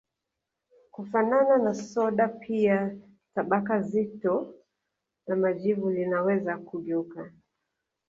Kufanana na soda pia tabaka zito la majivu linaweza kugeuka